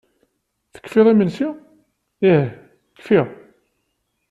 Tekfiḍ imensi? Ih kfiɣ!